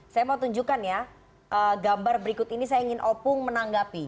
saya mau tunjukkan ya gambar berikut ini saya ingin opung menanggapi